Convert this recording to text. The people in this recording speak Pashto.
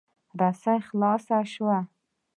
رسۍ خلاصه شي.